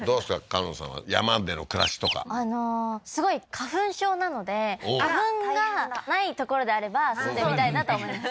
香音さんは山での暮らしとかすごい花粉症なので花粉がない所であれば住んでみたいなと思います